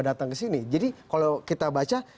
datang ke sini jadi kalau kita baca